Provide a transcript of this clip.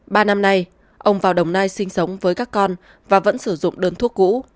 ba năm nay ông vào đồng nai sinh sống với các con và vẫn sử dụng đơn thuốc cũ